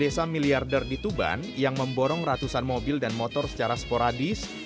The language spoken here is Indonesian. desa miliarder di tuban yang memborong ratusan mobil dan motor secara sporadis